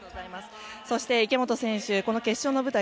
そして、池本選手この決勝の舞台